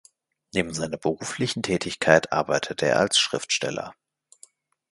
Neben seiner beruflichen Tätigkeit arbeitete er als Schriftsteller.